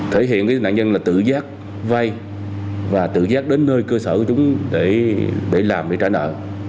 thể hiện nạn nhân là tự giác vay và tự giác đến nơi cơ sở của chúng để làm để trả nợ